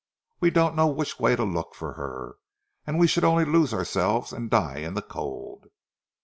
We don't know which way to look for her, and we should only lose ourselves and die in the cold."